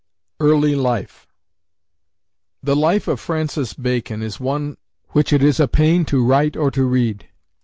EARLY LIFE. The life of Francis Bacon is one which it is a pain to write or to read.